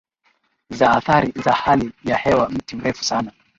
za Athari za Hali ya Hewa Mti Mrefu Sana